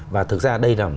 và thực ra đây là một cái